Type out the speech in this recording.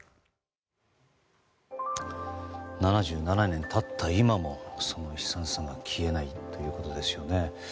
７７年経った今もその悲惨さが消えないということですよね。